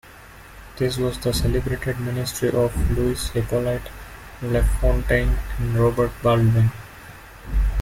This was the celebrated Ministry of Louis-Hippolyte Lafontaine and Robert Baldwin.